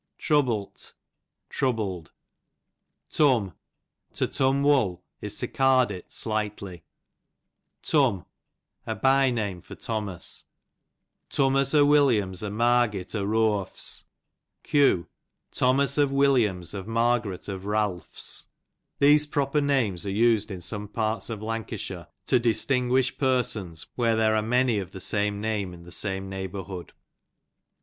Troubl't, troubled. Turn, to turn wool, is to card it slightly. Turn, a by name for Thomc(s. Tummus o'Williams, o'Margit, o'Eoaph's, q. Thomas of Wil liam's, of Margaret, of Ralph's. These proper names are iis'd in some parts of Lancashire to distinyuish persons tvhere there fire many of the same name in the same neiyhbourhood.